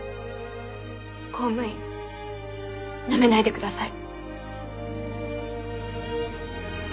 公務員ナメないでください。